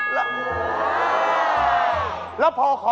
แล้วพอขอรอ